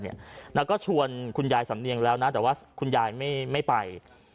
แล้วก็ชวนคุณยายสำเนียงแล้วนะแต่ว่าคุณยายไม่ไป